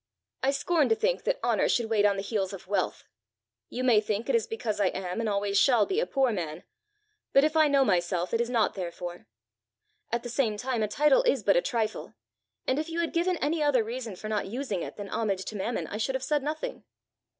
I scorn to think that honour should wait on the heels of wealth. You may think it is because I am and always shall be a poor man; but if I know myself it is not therefore. At the same time a title is but a trifle; and if you had given any other reason for not using it than homage to Mammon, I should have said nothing."